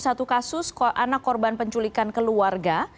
ada tiga puluh satu kasus anak korban penculikan keluarga